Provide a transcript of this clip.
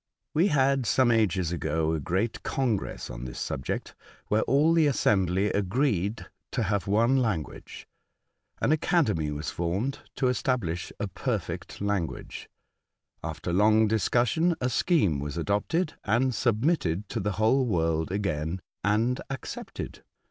" We had some ages ago a great congress on this subject, where all the assembly agreed to have one language. An academy was formed to establish a perfect language. After long discussion, a scheme was adopted and submitted to the whole world again, and accepted.